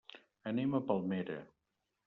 Anem a Palmera.